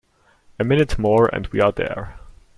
A minute more and we are there.